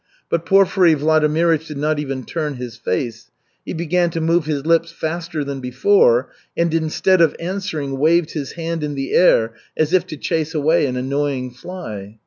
But Porfiry Vladimirych did not even turn his face; he began to move his lips faster than before, and instead of answering waved his hand in the air as if to chase away an annoying fly.